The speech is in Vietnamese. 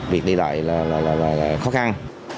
việc đi lại là khó khăn